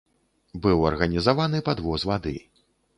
Быў арганізаваны падвоз вады.